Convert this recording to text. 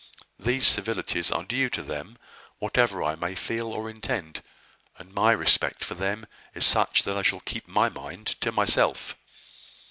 These civilities are due to them, whatever I may feel or intend; and my respect for them is such that I shall keep my mind to myself."